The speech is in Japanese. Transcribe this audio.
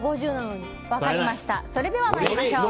それでは参りましょう。